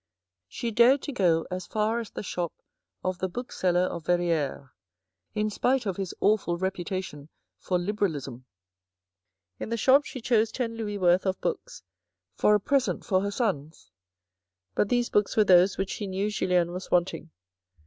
She dared to go as far as the shop of the bookseller of Verrieres, in spite of his awful reputation for Liberalism. In the shop she chose ten louis worth of books for a present for her sons. But these books were those which she knew Julien was wanting.